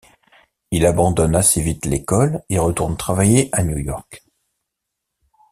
Il abandonne assez vite l'école et retourne travailler à New York.